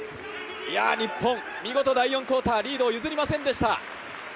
日本、見事、第４クオーター、リードを譲りませんでした。